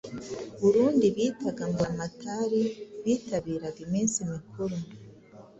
Urundi bitaga Mburamatari bitabiraga iminsi mikuru